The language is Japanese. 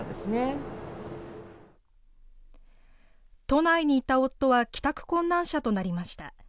都内にいた夫は帰宅困難者となりました。